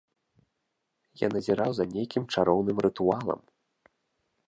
Я назіраў за нейкім чароўным рытуалам.